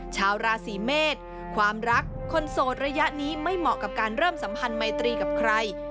ชาวราศีเมษความรักคนโสดระยะนี้ไม่เหมาะกับการเริ่มสัมพันธ์ไมตรีกับใคร